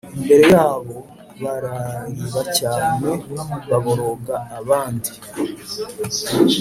Imbere yabo bararira cyane baboroga abandi